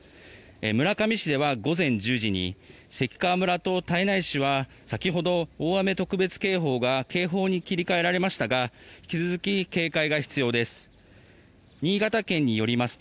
村上市では午前１０時に関川村と胎内市は先ほど大雨特別警報が警報に切り替えられましたが引き続き警戒が必要です。